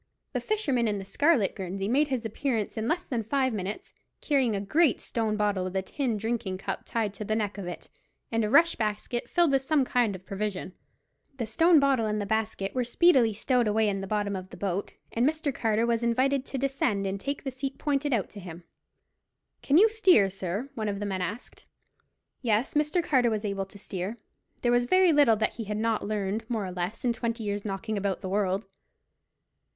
The fisherman in the scarlet guernsey made his appearance in less than five minutes, carrying a great stone bottle, with a tin drinking cup tied to the neck of it, and a rush basket filled with some kind of provision. The stone bottle and the basket were speedily stowed away in the bottom of the boat, and Mr. Carter was invited to descend and take the seat pointed out to him. "Can you steer, sir?" one of the men asked. Yes, Mr. Carter was able to steer. There was very little that he had not learned more or less in twenty years' knocking about the world.